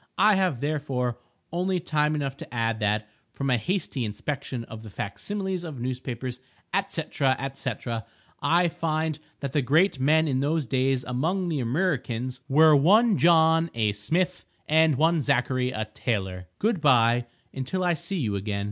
I have, therefore, only time enough to add that, from a hasty inspection of the fac similes of newspapers, &c., &c., I find that the great men in those days among the Amriccans, were one John, a smith, and one Zacchary, a tailor. Good bye, until I see you again.